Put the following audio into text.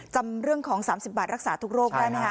จำเรื่องของ๓๐บาทรักษาทุกโรคได้ไหมคะ